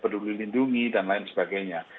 peduli lindungi dan lain sebagainya